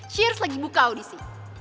cheers lagi buka audisi